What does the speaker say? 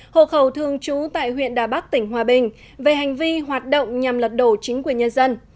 hồ khẩu thương chú tại huyện đà bắc tỉnh hòa bình về hành vi hoạt động nhằm lật đổ chính quyền nhân dân